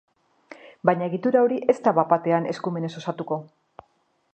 Baina, egitura hori ez da bat-batean eskumenez osatuko.